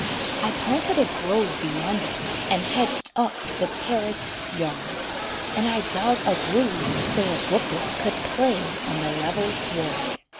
I planted a grove beyond it, And hedged up the terraced yard, And I dug a groove so a brooklet Could play on the level sward.